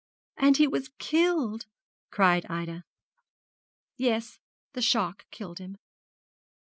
'And he was killed!' cried Ida. 'Yes; the shock killed him.